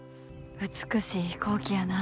美しい飛行機やな。